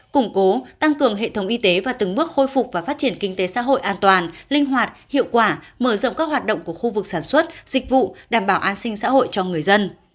củng cố tăng cường hệ thống y tế và từng bước khôi phục và phát triển kinh tế xã hội an toàn linh hoạt hiệu quả mở rộng các hoạt động của khu vực sản xuất dịch vụ đảm bảo an sinh xã hội cho người dân